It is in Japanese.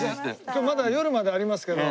今日まだ夜までありますけど。